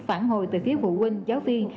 phản hồi từ phía phụ huynh giáo viên